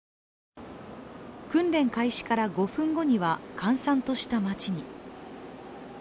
訓練開始から５分後には閑散とした街に。